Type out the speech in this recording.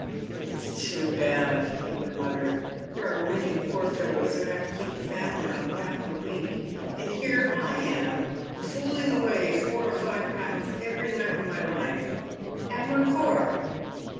" It is too bad," he would mutter. " There are many poor fellows who have to keep a family on a pound a week, and here am I fooling away four or five pounds every night of my life — and what for